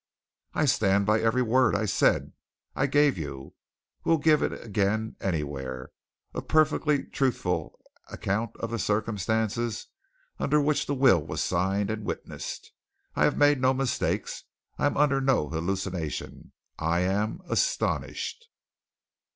"I stand by every word I said. I gave you will give it again, anywhere! a perfectly truthful account of the circumstances under which the will was signed and witnessed. I have made no mistakes I am under no hallucination. I am astonished!"